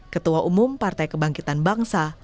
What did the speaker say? ketua umum partai kebangkitan bangsa